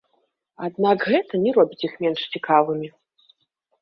Аднак гэта не робіць іх менш цікавымі.